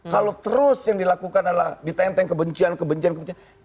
kalau terus yang dilakukan adalah ditenteng kebencian kebencian kebencian